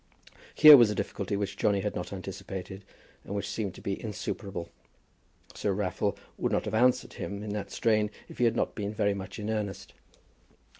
Here was a difficulty which Johnny had not anticipated, and which seemed to be insuperable. Sir Raffle would not have answered him in that strain if he had not been very much in earnest.